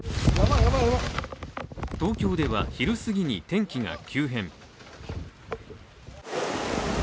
東京では昼過ぎに天気が急変。